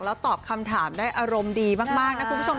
แล้วตอบคำถามได้อารมณ์ดีมากนะคุณผู้ชม